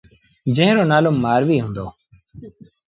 جݩهݩ رو نآلو مآروي هُݩدو۔